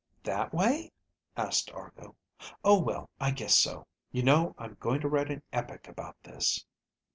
"That way?" asked Argo. "Oh well, I guess so. You know I'm going to write an epic about this."